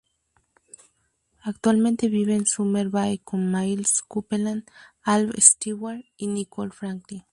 Actualmente vive en Summer Bay con Miles Copeland, Alf Stewart y Nicole Franklin.